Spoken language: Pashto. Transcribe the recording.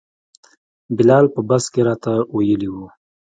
بلال په بس کې راته ویلي وو.